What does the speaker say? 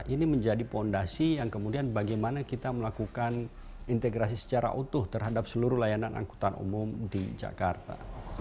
ini menjadi fondasi yang kemudian bagaimana kita melakukan integrasi secara utuh terhadap seluruh layanan angkutan umum di jakarta